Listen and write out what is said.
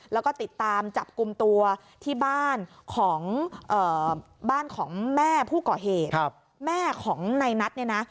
แล้วก็ติดตามจับกลุ่มตัวที่บ้านของบ้านของแม่ผู้ก่อเหตุแม่ของในนัทเนี่ยนะ